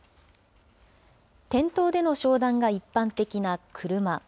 店頭での商談が一般的な車。